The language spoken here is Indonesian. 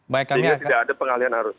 jadi tidak ada pengalihan arus